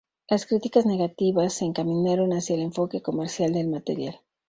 Las críticas negativas se encaminaron hacia el enfoque comercial del material.